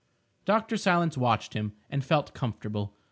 Dr. Silence watched him, and felt comfortable.